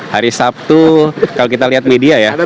hari sabtu kalau kita lihat media ya